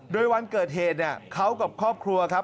โดยวันเกิดเหตุเนี่ยเขากับครอบครัวครับ